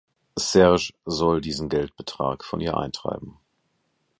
Serge soll diesen Geldbetrag von ihr eintreiben.